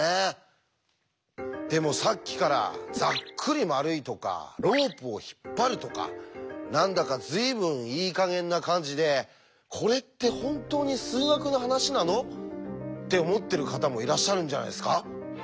でもさっきから「ざっくり丸い」とか「ロープを引っ張る」とか何だか随分いい加減な感じで「これって本当に数学の話なの？」って思ってる方もいらっしゃるんじゃないですか？